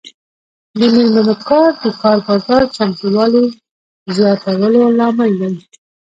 د میرمنو کار د کار بازار چمتووالي زیاتولو لامل دی.